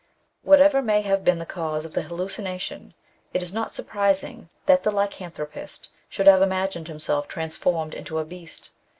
Whatever may have been the cause of the hallucina tion, it is not surprising that the lycanthropist should have imagined himself transformed into a beast.